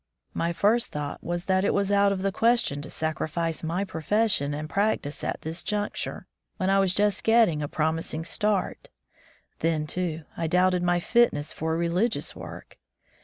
My first thought was that it was out of the question to sacrifice my profession and practice at this juncture, when I was just getting a promising start. Then, too, I doubted my fitness for religious work.